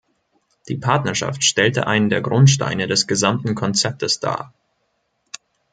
Die Partnerschaft stellte einen der Grundsteine des gesamten Konzeptes dar.